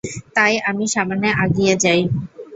তাই, আমি সামনে আগিয়ে যাই।